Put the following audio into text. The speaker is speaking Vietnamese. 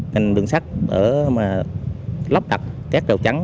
ngành đường sắt để mà lóc đặt các đầu chắn